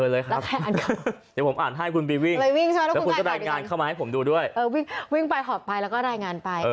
เดี๋ยวผมอ่านให้คุณไปวิ่งแล้วได้งานให้ผมดูด้วย